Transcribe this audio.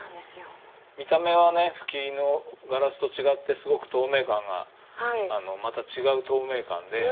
見た目はね吹きのガラスと違ってすごく透明感がまた違う透明感で。